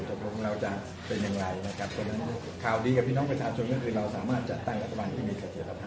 ตกลงเราจะเป็นอย่างไรนะครับเพราะฉะนั้นข่าวดีกับพี่น้องประชาชนก็คือเราสามารถจัดตั้งรัฐบาลที่มีเสถียรภาพ